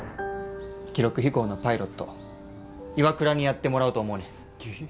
記録飛行のパイロット岩倉にやってもらおうと思うねん。